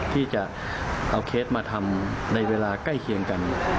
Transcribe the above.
ที่จะเอาเคสมาทำในเวลาใกล้เคียงกัน